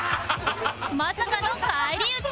まさかの返り討ち？